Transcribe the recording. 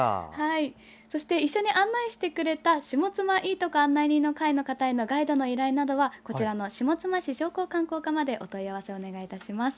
そし手一緒に案内してくれた下妻いいとこ案内人の会の方へガイドの依頼などは下妻市商工観光課までお問い合わせお願いします。